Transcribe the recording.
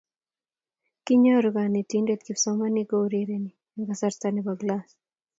Kinyoru konetinte kipsomaninik kourereni eng kasarta ne bo klas.